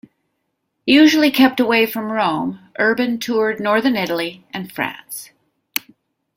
Usually kept away from Rome, Urban toured northern Italy and France.